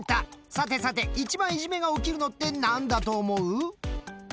さてさて一番いじめが起きるのってなんだと思う？